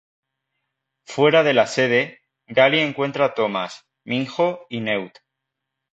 Fuera de la sede, Gally encuentra a Thomas, Minho y Newt.